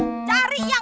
cari yang mirip sahrukan